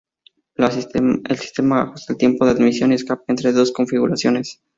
El sistema ajusta el tiempo de admisión y escape entre dos configuraciones.